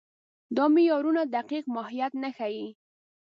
دا معیارونه دقیق ماهیت نه ښيي.